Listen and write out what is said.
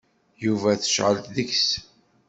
Yuba tecεel deg-s.